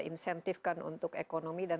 insentif kan untuk ekonomi dan